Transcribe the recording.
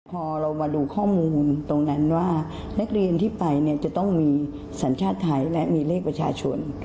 พอเรามาดูข้อมูลตรงนั้นว่านักเรียนที่ไปเนี่ยจะต้องมีสัญชาติไทยและมีเลขประชาชน